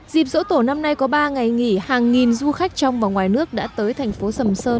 dịp dỗ tổ năm nay có ba ngày nghỉ hàng nghìn du khách trong và ngoài nước đã tới thành phố sầm sơn